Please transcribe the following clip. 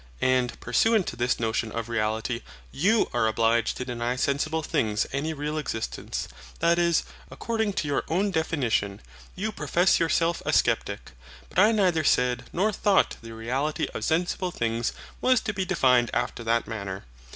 And pursuant to this notion of reality, YOU are obliged to deny sensible things any real existence: that is, according to your own definition, you profess yourself a sceptic. But I neither said nor thought the reality of sensible things was to be defined after that manner.